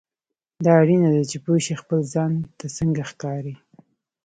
دا اړینه ده چې پوه شې خپل ځان ته څنګه ښکارې.